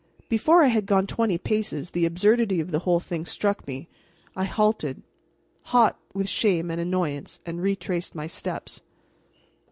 Before I had gone twenty paces the absurdity of the whole thing struck me. I halted, hot with shame and annoyance, and retraced my steps.